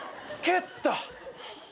蹴った。